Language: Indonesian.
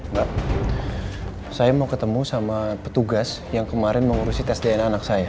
mbak saya mau ketemu sama petugas yang kemarin mengurusi tes dna anak saya